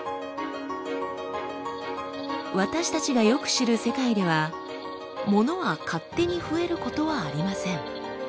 私たちがよく知る世界ではものは勝手に増えることはありません。